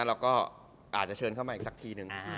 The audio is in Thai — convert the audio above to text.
เราเชิญเข้ามาอีกทีหนึ่ง